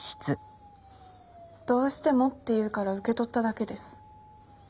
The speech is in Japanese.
どうしてもって言うから受け取っただけです。